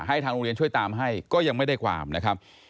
ทางโรงเรียนช่วยตามให้ก็ยังไม่ได้ความนะครับ